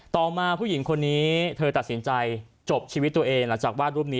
ต่อมาผู้หญิงคนนี้เธอตัดสินใจจบชีวิตตัวเองหลังจากวาดรูปนี้